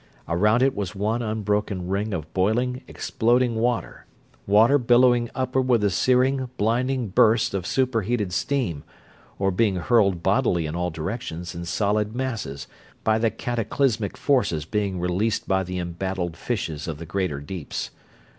Around it was one unbroken ring of boiling, exploding water water billowing upward with searing, blinding bursts of superheated steam, or being hurled bodily in all directions in solid masses by the cataclysmic forces being released by the embattled fishes of the greater deeps.